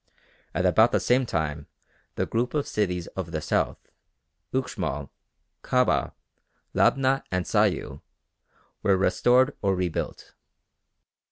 At about the same time the group of cities of the south, Uxmal, Kabah, Labna and Sayil, were restored or rebuilt.